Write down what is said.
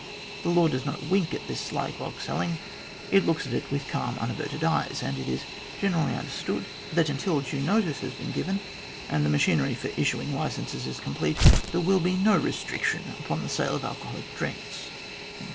The law does not wink at this sly grog selling. It looks at it with calm unaverted eyes, and it is generally understood that until due notice has been given, and the machinery for issuing licenses is complete, there is to be no restriction upon the sale of alcoholic drinks."